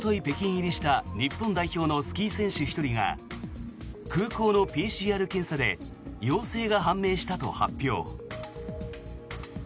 北京入りした日本代表のスキー選手１人が空港のＰＣＲ検査で陽性が判明したと発表。